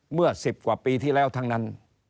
เมื่อ๑๐กว่าปีที่แล้วทั้งนั้น